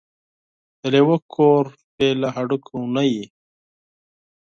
ـ د لېوه کور بې له هډوکو نه وي.